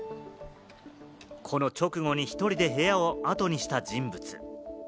この直後に１人で部屋をあとにした人物。